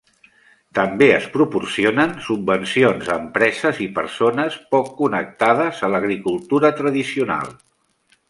També es proporcionen subvencions a empreses i persones poc connectades a l'agricultura tradicional.